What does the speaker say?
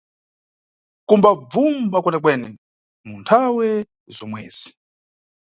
Kumbabvumba kwene-kwene mu nthawe zomwezi.